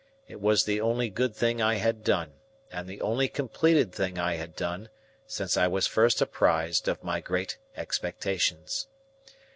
It was the only good thing I had done, and the only completed thing I had done, since I was first apprised of my great expectations.